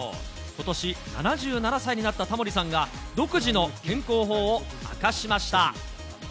ことし、７７歳になったタモリさんが、独自の健康法を明かしました。